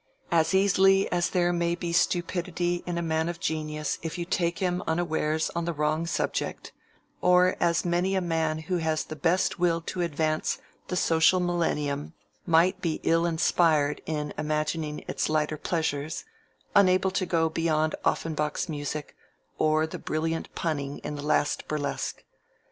As easily as there may be stupidity in a man of genius if you take him unawares on the wrong subject, or as many a man who has the best will to advance the social millennium might be ill inspired in imagining its lighter pleasures; unable to go beyond Offenbach's music, or the brilliant punning in the last burlesque.